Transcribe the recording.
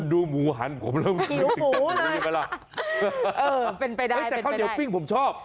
ดูหมูหันผมเริ่มหิวหิวหูเลยเออเป็นไปได้แต่ข้าวเหนียวปิ้งผมชอบ